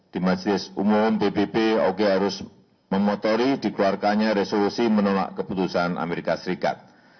di majelis umum pbb oke harus memotori dikeluarkannya resolusi menolak keputusan amerika serikat